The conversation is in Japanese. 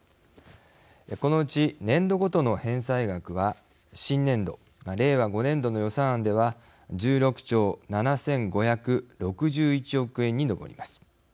このうち年度ごとの返済額は新年度、令和５年度の予算案では１６兆７５６１億円に上ります。